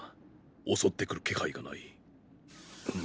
襲ってくる気配がない。